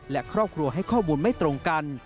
และครอบครัวให้ข้อมูลไม่ตรงกัน